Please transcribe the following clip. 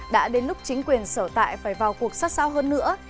đã đến lúc chính quyền sở tại phải vào cuộc sát sao hơn nữa